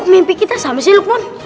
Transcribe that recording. mimpi kita sama sih lukman